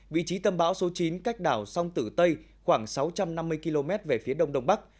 vị trí tâm bão số chín cách đảo sông tử tây khoảng sáu trăm năm mươi km về phía đông đông bắc